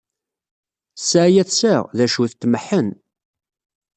Ssɛaya tesɛa, d acu, tetmeḥḥen.